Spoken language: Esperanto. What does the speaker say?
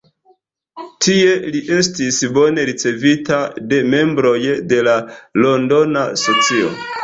Tie li estis bone ricevita de membroj de la Londona socio.